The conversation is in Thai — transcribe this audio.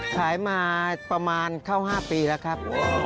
ขายมาประมาณเข้า๕ปีแล้วครับ